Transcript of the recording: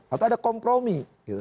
atau ada kompromi